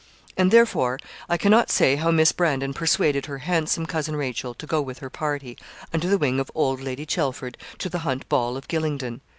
And therefore I cannot say how Miss Brandon persuaded her handsome Cousin Rachel to go with her party, under the wing of Old Lady Chelford, to the Hunt Ball of Gylingden.